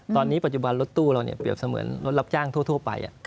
ตอนนี้ปัจจุบันรถตู้เราเปรียบเสมือนรถรับจ้างทั่วไป